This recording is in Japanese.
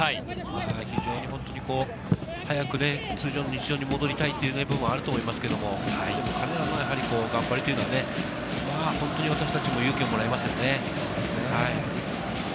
非常に早く通常の日常に戻りたい部分はあると思いますけど、みんなの頑張りはね、私たちも勇気をもらいますね。